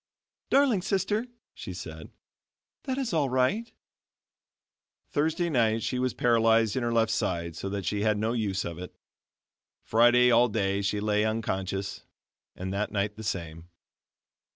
"Darling sister," she said, "that is all right." Thursday night she was paralyzed in her left side so that she had no use of it. Friday all day she lay unconscious, and that night the same.